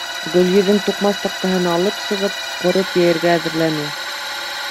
Гөлйөҙөм туҡмас таҡтаһын алып сығып ҡорот йәйергә әҙерләне.